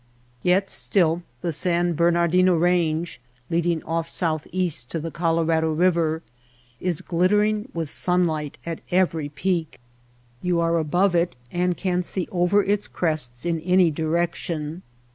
Yet still the San Bernardino Range, leading off southeast to the Colorado River, is glittering with sunlight at every peak. You are above it and can see over its crests in any direction.